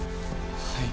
はい。